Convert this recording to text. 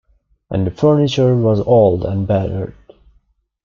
And the furniture was old and battered.